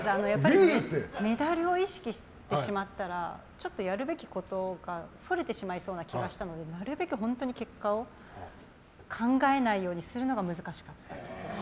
メダルを意識してしまったらちょっと、やるべきことからそれてしまいそうな気がしたのでなるべく本当に結果を考えないようにするのが難しかったですね。